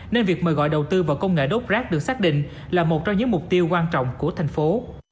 nên việc mời gọi đầu tư vào công nghệ đốt rác được xác định là một trong những mục tiêu quan trọng của thành phố